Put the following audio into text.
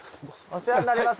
お世話になります。